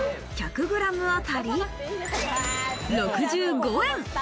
１００ｇあたり６５円。